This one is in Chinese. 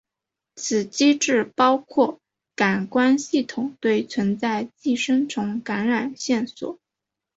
此机制包括感官系统对存在寄生虫感染线索。